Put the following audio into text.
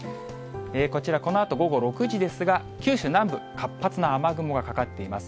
こちら、このあと午後６時ですが、九州南部、活発な雨雲がかかっています。